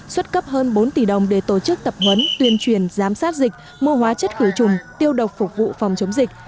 xuất cấp hơn bốn tỷ đồng để tổ chức tập huấn tuyên truyền giám sát dịch mua hóa chất khử trùng tiêu độc phục vụ phòng chống dịch